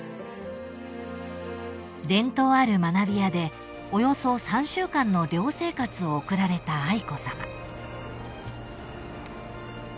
［伝統ある学びやでおよそ３週間の寮生活を送られた愛子さま］